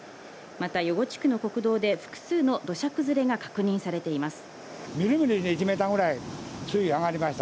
また余呉地区の国道で複数の土砂崩れが確認されています。